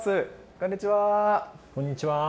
こんにちは。